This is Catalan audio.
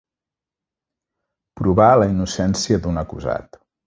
Provar la innocència d'un acusat.